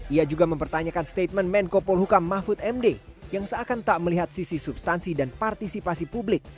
ia juga mempertanyakan statement menko polhukam mahfud md yang seakan tak melihat sisi substansi dan partisipasi publik